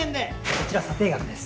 こちら査定額です。